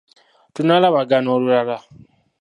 Tunaalabagana olulala.